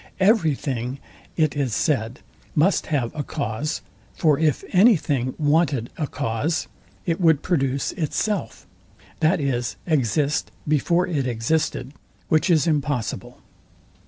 Every thing, it is said, must have a cause; for if any thing wanted a cause, it would produce ITSELF; that is, exist before it existed; which is impossible.